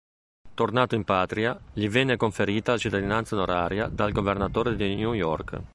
Tornato in patria, gli venne conferita la cittadinanza onoraria dal governatore di New York.